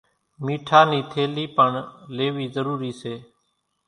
ميٺا نِي ٿيلي پڻ ليوِي ضرُورِي سي